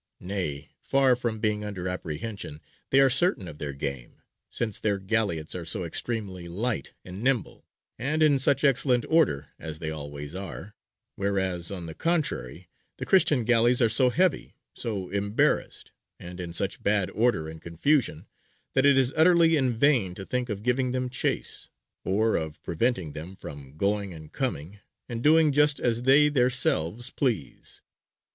Nay, far from being under apprehension, they are certain of their game; since their galleots are so extremely light and nimble, and in such excellent order, as they always are; whereas, on the contrary, the Christian galleys are so heavy, so embarrassed, and in such bad order and confusion, that it is utterly in vain to think of giving them chase, or of preventing them from going and coming, and doing just as they their selves please.